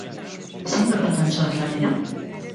Zein ordutan zoaz lanera?